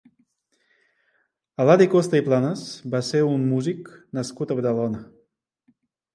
Eladi Costa i Planas va ser un músic nascut a Badalona.